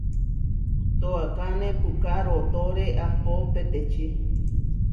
Toákane puʼká rootóre ahpó peteči.